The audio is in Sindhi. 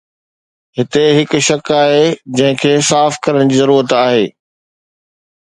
هتي هڪ شڪ آهي جنهن کي صاف ڪرڻ جي ضرورت آهي.